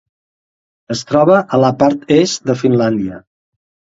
Es troba a la part est de Finlàndia.